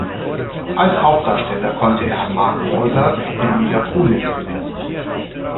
Als Hauptdarsteller konnte er Mark Wahlberg und Mila Kunis gewinnen.